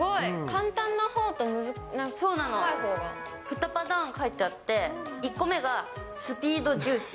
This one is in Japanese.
簡単なほうとそうなの、２パターン書いてあって、１個目がスピード重視。